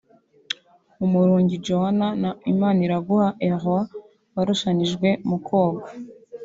umurungi Joana na Imaniraguha Eloi barushanijwe mu koga